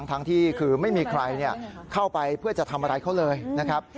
ทั้งที่คือไม่มีใครเข้าไปเพื่อจะทำอะไรเขาเลยนะครับ